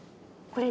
これ？